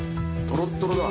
とろっとろだ。